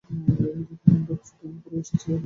এরই মধ্যে প্রথম ধাপের শুটিংও করে এসেছেন নেপাল থেকে।